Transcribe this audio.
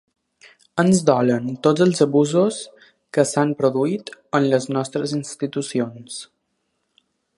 “Ens dolen tots els abusos que s’han produït en les nostres institucions”.